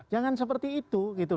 jangan seperti itu